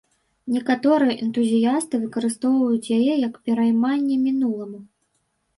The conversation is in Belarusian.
Некаторыя энтузіясты выкарыстоўваюць яе як перайманне мінуламу.